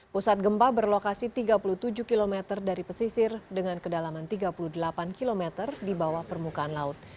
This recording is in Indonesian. pusat gempa berlokasi tiga puluh tujuh km dari pesisir dengan kedalaman tiga puluh delapan km di bawah permukaan laut